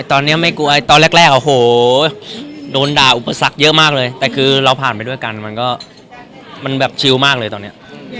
ตอนนี้ไม่กลัวตอนแรกโอ้โหโดนด่าอุปสรรคเยอะมากเลยแต่คือเราผ่านไปด้วยกันมันก็มันแบบชิลมากเลยตอนนี้